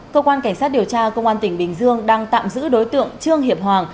cơ quan cảnh sát điều tra công an tỉnh bình dương đang tạm giữ đối tượng trương hiệp hoàng